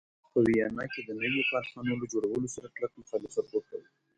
په ویانا کې د نویو کارخانو له جوړولو سره کلک مخالفت وکړ.